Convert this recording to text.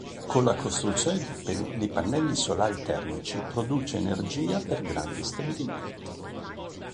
Con la costruzione di pannelli solari termici produce energia per grandi stabilimenti.